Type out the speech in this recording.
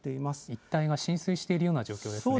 一帯が浸水しているような状況ですね。